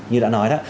như đã nói đó